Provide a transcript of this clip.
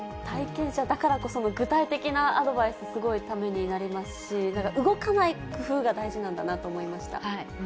体験者だからこその具体的なアドバイス、すごいためになりますし、なんか動かない工夫が大事なんだなと思いました。